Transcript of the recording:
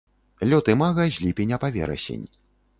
Лёт імага з ліпеня па верасень.